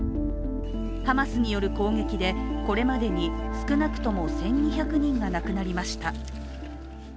ハマスによる攻撃でこれまでに少なくとも１２００人が亡くなりました